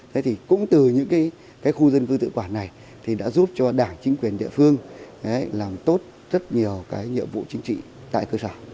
thế thì cũng từ những khu dân cư tự quản này thì đã giúp cho đảng chính quyền địa phương làm tốt rất nhiều nhiệm vụ chính trị